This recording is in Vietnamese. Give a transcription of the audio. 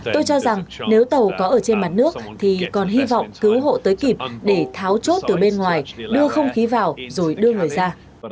tôi cho rằng nếu tàu có ở trên mặt nước thì còn hy vọng cứu hộ tới kịp để tháo chốt từ bên ngoài đưa không khí vào rồi đưa người ra